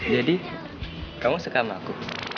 kamu suka sama aku